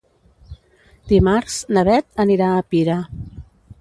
Dimarts na Beth anirà a Pira.